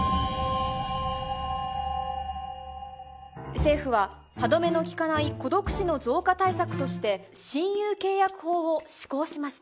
政府は歯止めの利かない孤独死の増加対策として親友契約法を施行しました。